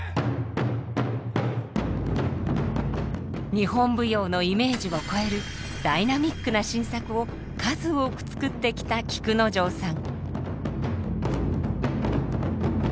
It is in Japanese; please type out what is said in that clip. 日本舞踊のイメージを超えるダイナミックな新作を数多く作ってきた菊之丞さん。